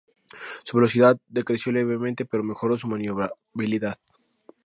Su velocidad decreció levemente, pero mejoró su maniobrabilidad.